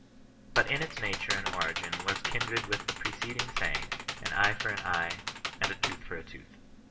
But in its nature and origin it was kindred with the preceding saying, " an eye fo^^a^ eye, and a tooth for a tooth."